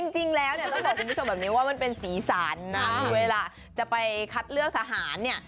จริงแล้วต้องบอกคุณผู้ชมว่ามันเป็นศีรษรเวลาจะไปคัดเลือกทหารเนี่ย